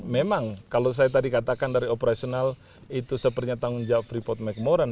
memang kalau saya tadi katakan dari operasional itu sepertinya tanggung jawab freeport mcmoran